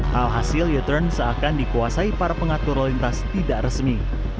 hal hasil u turn seakan dikuasai para pengatur lalu lintas tidak resmi